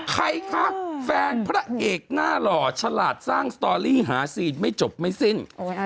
ใครคะแฟนพระเอกหน้าหล่อฉลาดสร้างสตอรี่หาซีนไม่จบไม่สิ้น